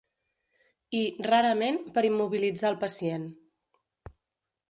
I, rarament, per immobilitzar el pacient.